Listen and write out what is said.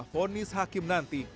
fonis hakim nanti